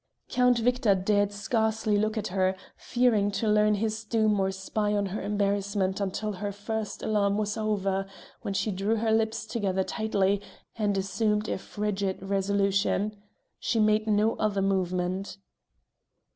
Count Victor dared scarcely look at her, fearing to learn his doom or spy on her embarrassment until her first alarm was over, when she drew her lips together tightly and assumed a frigid resolution. She made no other movement.